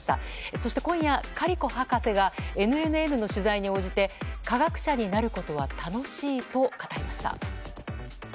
そして、今夜カリコ博士がＮＮＮの取材に応じて科学者になることは楽しいと語りました。